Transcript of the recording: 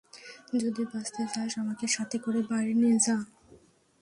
যদি বাঁচতে চাস আমাকে সাথে করে বাইরে নিয়ে যা।